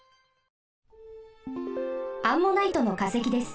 アンモナイトのかせきです。